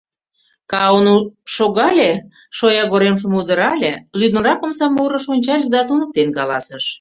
Каану шогале, шоягоремжым удырале, лӱдынрак омса могырыш ончале да туныктен каласыш: